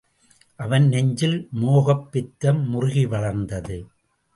அவன் நெஞ்சில் மோகப் பித்தம் முறுகி வளர்ந்தது.